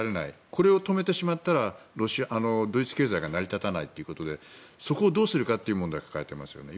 これを止めてしまったらドイツ経済が成り立たないということでそこをどうするかという問題を抱えていますよね。